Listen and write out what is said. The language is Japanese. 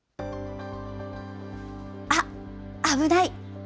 あっ、危ない。